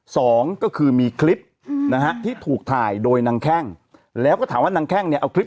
สองก็คือมีคลิปนะฮะที่ถูกถ่ายโดยนางแข้งแล้วก็ถามว่านางแข้งเนี่ยเอาคลิป